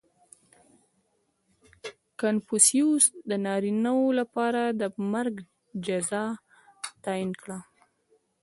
• کنفوسیوس د نارینهوو لپاره د مرګ جزا تعیین کړه.